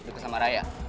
gak peduli sama lu